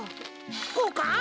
こうか？